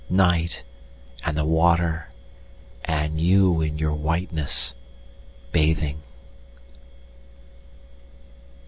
Night, and the water, and you in your whiteness, bathing!